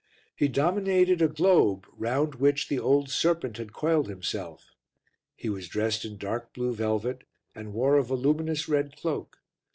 He dominated a globe round which the old Serpent had coiled himself. He was dressed in dark blue velvet, and wore a voluminous red cloak.